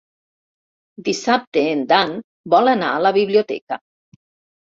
Dissabte en Dan vol anar a la biblioteca.